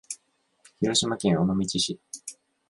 広島県尾道市